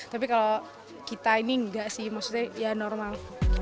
tapi kalau kita ini enggak sih maksudnya ya normal